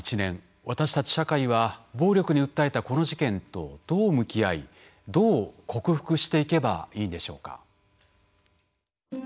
私たち社会は暴力に訴えたこの事件とどう向き合いどう克服していけばいいんでしょうか。